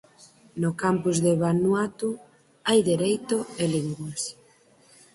No campus de Vanuatu hai Dereito e Linguas.